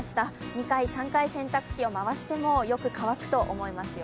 ２回、３回、洗濯機を回してもよく乾くと思いますよ。